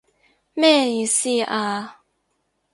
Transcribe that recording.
咩意思啊？